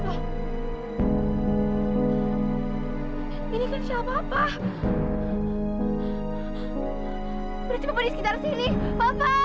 sampai jumpa di video selanjutnya